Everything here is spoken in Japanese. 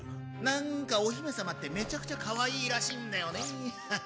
何か、お姫さまってめちゃくちゃ可愛いらしいんだよね。